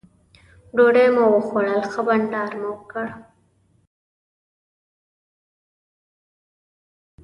ډوډۍ مو وخوړل ښه بانډار مو وکړ.